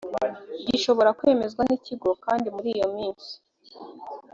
gishobora kwemezwa n ikigo kandi muri iyo minsi